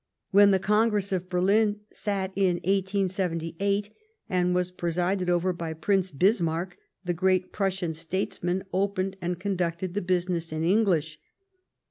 When the Congress of Berlin sat in 1878, and was presided over by Prince Bismarck, the great Prussian statesman opened and conducted the business in English.